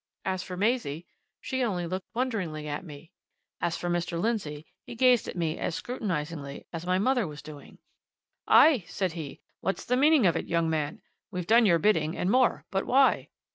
As for Maisie, she only looked wonderingly at me; as for Mr. Lindsey, he gazed at me as scrutinizingly as my mother was doing. "Aye!" said he, "what's the meaning of it, young man? We've done your bidding and more but why?"